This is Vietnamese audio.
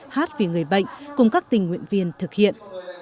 hát vì người bệnh cùng các tình nguyện viên thực hiện